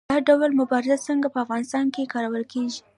دا ډول مبارزه څنګه په افغانستان کې کارول کیږي؟